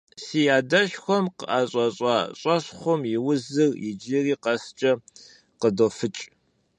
Си адэшхуэм къыӀэщӀэщӀа щӀэщхъум и узыр иджыри къэскӀэ къыдофыкӀ.